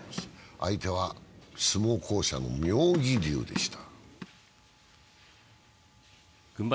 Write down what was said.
相手は相撲巧者の妙義龍でした。